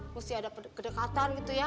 mesti ada kedekatan gitu ya